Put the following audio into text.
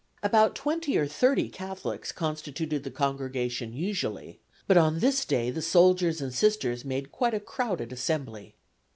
About twenty or thirty Catholics constituted the congregation usually, but on this day the soldiers and Sisters made quite a crowded assembly.